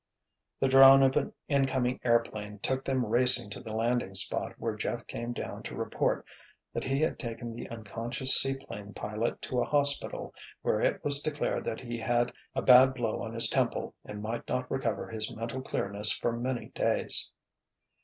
The drone of an incoming airplane took them racing to the landing spot where Jeff came down to report that he had taken the unconscious seaplane pilot to a hospital where it was declared that he had a bad blow on his temple and might not recover his mental clearness for many days.